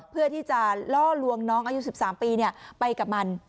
เพื่อที่จะล่อลวงน้องอายุ๑๓ปีไปกับมัน